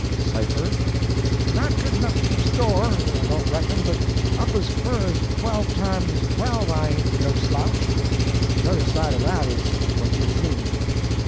"Cipher?" "Not good enough to keep store, I don't reckon, but up as fur as twelve times twelve I ain't no slouch. 'Tother side of that is what gits me."